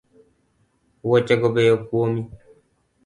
Wuoche go beyo kuomi